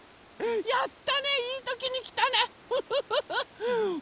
やったねいいときにきたねフフフフ！